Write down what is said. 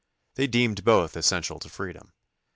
They deemed both essential to freedom.